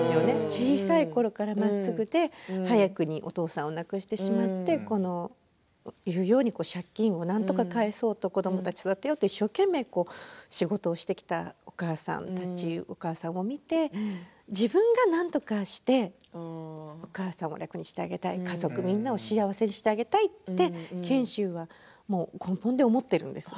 小さいころからまっすぐで早くにお父さんを亡くしてしまって言うように借金をなんとか返そうと子どもたちを育てようと一生懸命仕事をしてきたお母さんを見て自分がなんとかしてお母さんを楽にしてあげたい家族みんなを幸せにしてあげたいって賢秀は根本で思っているんです。